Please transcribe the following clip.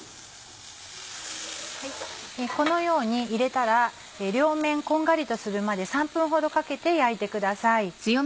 このように入れたら両面こんがりとするまで３分ほどかけて焼いてください。